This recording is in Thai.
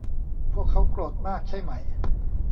พวกเค้าโกรธมากใช่ไหม